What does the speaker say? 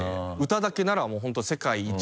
歌だけならもう本当世界一。